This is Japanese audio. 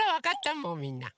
もうみんな。